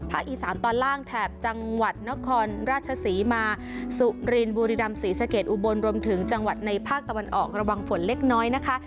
อีสานตอนล่างแถบจังหวัดนครราชศรีมาสุรินบุรีรำศรีสะเกดอุบลรวมถึงจังหวัดในภาคตะวันออกระวังฝนเล็กน้อยนะคะ